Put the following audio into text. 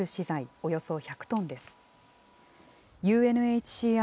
およそ１００トンです。